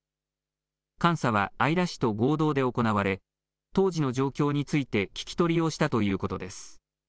監査は、姶良市と合同で行われ、当時の状況について、聞き取りをしたということです。